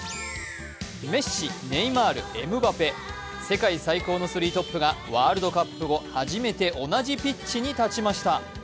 メッシ、ネイマール、エムバペ、世界最高のスリートップがワールドカップ後、初めて同じピッチに立ちました。